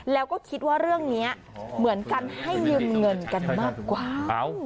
แล้วก็คิดว่าเรื่องนี้เหมือนกันให้ยืมเงินกันมากกว่า